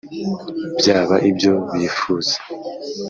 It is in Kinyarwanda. byaba ibyo bifuza